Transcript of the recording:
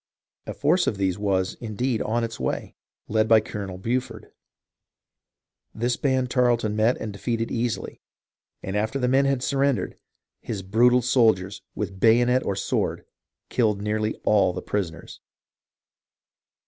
A force of these was, indeed, on its way, led by Colonel Buford. This band Tarleton met and defeated easily, and after the men had surrendered, his brutal soldiers, with bayonet or sword, killed nearly all the prisoners.